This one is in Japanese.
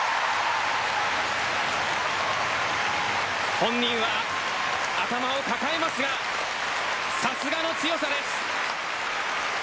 本人は頭を抱えますがさすがの強さです